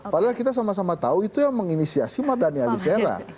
padahal kita sama sama tahu itu yang menginisiasi mardhani alisera